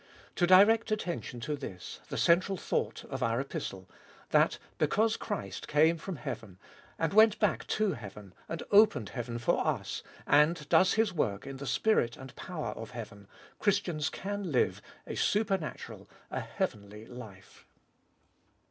To direct attention to this, the central thought of our Epistle, — that because Christ came from heaven, and went back to heaven, and opened heaven for us, and does His work in the spirit and power of heaven, Christians can live a super natural, a heavenly life.